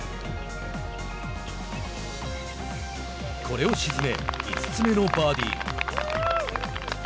これを沈め５つ目のバーディー。